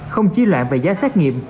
không chí loạn về giá xét nghiệm